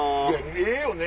ええよね。